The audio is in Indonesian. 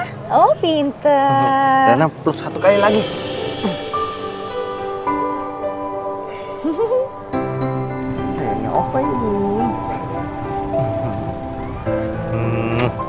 tapi kilimnya kadang lagi masuk ke dalam istriku